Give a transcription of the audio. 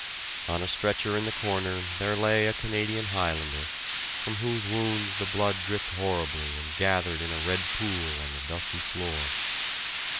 On a stretcher in the corner there lay a Canadian Highlander, from whose wounds the blood dripped horribly and gathered in a red pool on the dusty floor.